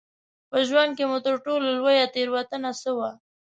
په ژوند کې مو تر ټولو لویه تېروتنه څه وه؟